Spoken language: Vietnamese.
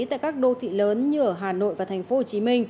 tại các đô thị lớn như ở hà nội và tp hcm